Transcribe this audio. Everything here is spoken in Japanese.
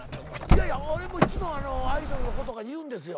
いやいや俺もいつもアイドルの子とかに言うんですよ。